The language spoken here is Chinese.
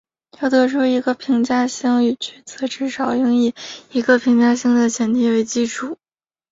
要得出一个评价性语句则至少应以一个评价性的前提为基础。